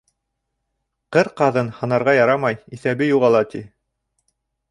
Ҡыр ҡаҙын һанарға ярамай, иҫәбе юғала, ти.